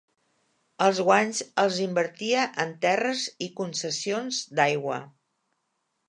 Els guanys els invertia en terres i concessions d'aigua.